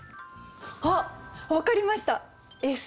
あっ分かりました。